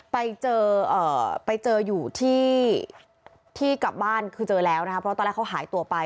ไปเจอไปเจออยู่ที่กลับบ้านคือเจอแล้วนะคะเพราะตอนแรกเขาหายตัวไป